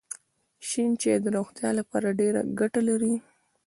شین چای د روغتیا لپاره ډېره ګټه لري.